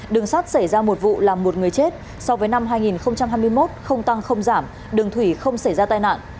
đường sắt xảy ra một vụ làm một người chết so với năm hai nghìn hai mươi một không tăng không giảm đường thủy không xảy ra tai nạn